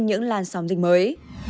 những làn sóng dịch mới